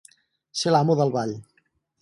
Ser l'amo del ball.